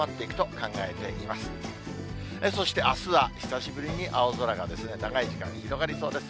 そして、あすは久しぶりに青空が長い時間、広がりそうです。